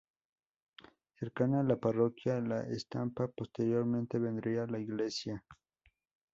Cercana a la Parroquia La Estampa posteriormente vendría la iglesia Sta.